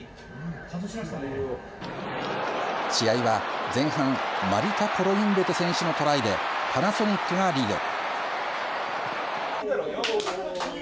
試合は、前半マリカ・コロインベテ選手のトライでパナソニックがリード。